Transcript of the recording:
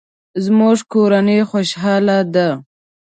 زموږ کورنۍ خوشحاله ده